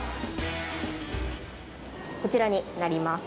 こちらになります。